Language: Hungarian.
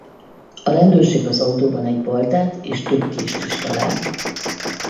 A rendőrség az autóban egy baltát és több kést is talált.